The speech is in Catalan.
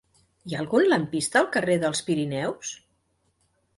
Hi ha algun lampista al carrer dels Pirineus?